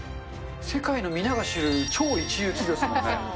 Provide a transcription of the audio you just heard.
世界の皆が知る超一流企業ですからね。